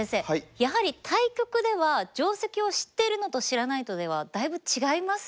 やはり対局では定石を知ってるのと知らないとではだいぶ違いますよね。